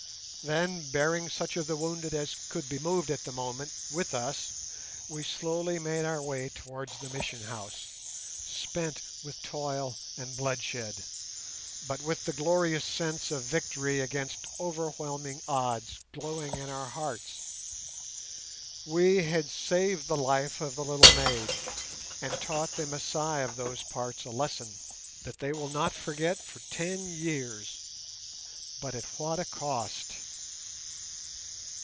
Then bearing such of the wounded as could be moved at the moment with us, we slowly made our way towards the Mission house, spent with toil and bloodshed, but with the glorious sense of victory against overwhelming odds glowing in our hearts. We had saved the life of the little maid, and taught the Masai of those parts a lesson that they will not forget for ten years—but at what a cost!